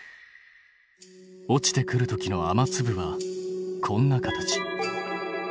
落ちてくる時の雨粒はこんな形。